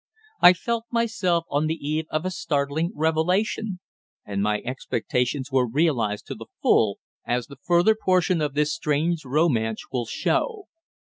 I felt myself on the eve of a startling revelation; and my expectations were realized to the full, as the further portion of this strange romance will show.